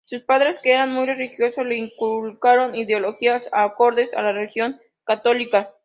Sus padres, que eran muy religiosos le inculcaron ideologías acordes a la religión católica.